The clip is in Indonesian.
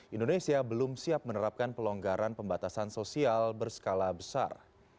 indonesia belum siap menerapkan pelonggaran pembatasan sosial berskala besar